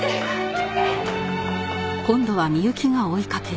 待って！